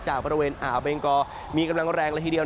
บริเวณอ่าวเบงกอมีกำลังแรงละทีเดียว